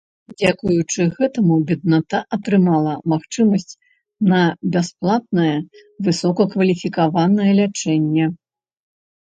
Дзякуючы гэтаму бедната атрымала магчымасць на бясплатнае высокакваліфікаванае лячэнне.